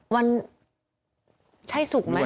วันศุกร์ไหม